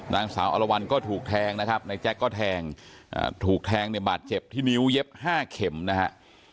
นางสาวอรวรรณก็ถูกแทงนะครับนายแจ็คก็แทงถูกแทงเนี่ยบาดเจ็บที่นิ้วเย็บ๕เข็มนะฮะ